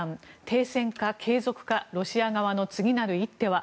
停戦か継続かロシア側の次なる一手は。